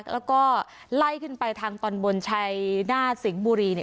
แล้วก็ไล่ขึ้นไปทางตอนบนชัยหน้าสิงห์บุรีเนี่ย